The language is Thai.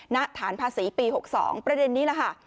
ณฐานภาษีปี๖๒ประเด็นนี้ล่ะค่ะ